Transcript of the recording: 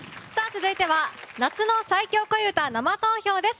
続いては夏の最強恋うた生投票です。